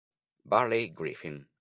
Burley Griffin